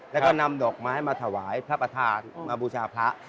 แล้วก็นำดอกไม้มาถวายพระประธานมาบูชาพระ